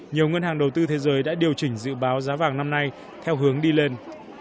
nhiều ngân hàng đầu tư thế giới đã điều chỉnh dự báo giá vàng năm nay theo hướng đi lên